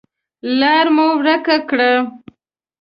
لار مو ورکه کړه .